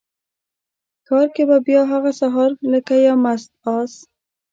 ښار کې به بیا هغه سهار لکه یو مست آس،